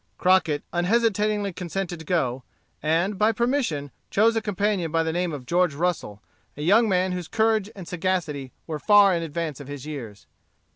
Crockett unhesitatingly consented to go, and, by permission, chose a companion by the name of George Russel, a young man whose courage and sagacity were far in advance of his years.